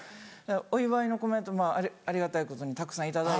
お祝いのコメントありがたいことにたくさん頂いて。